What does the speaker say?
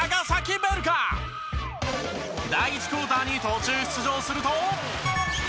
第１クオーターに途中出場すると。